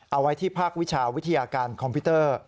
เอาไว้ที่ภาควิชาวิทยาการคอมพิวเตอร์